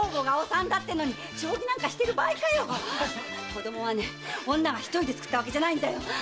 子供はね女が一人でつくったわけじゃないんだよ！